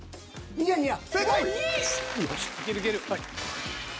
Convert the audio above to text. ニヤニヤ。